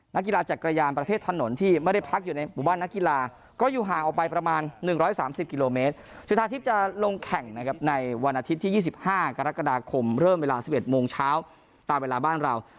นักกีฬาจักรยานประเภทถนนที่ไม่ได้พักอยู่ในหมู่บ้านนักกีฬาก็อยู่ห่างออกไปประมาณ๑๓๐กิโลเมตรจุธาทิพย์จะลงแข่งนะครับในวันอาทิตย์ที่๒๕กรกฎาคมเริ่มเวลา๑๑โมงเช้าตามเวลาบ้านเรา